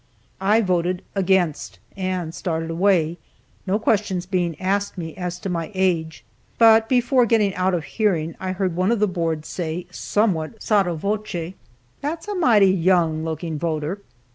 I voted "Against," and started away, no questions being asked me as to my age. But before getting out of hearing I heard one of the board say, somewhat sotto voce, "That's a mighty young looking voter."